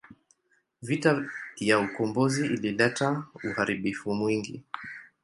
Vita ya ukombozi ilileta uharibifu mwingi.